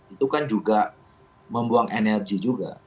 itu kan juga membuang energi juga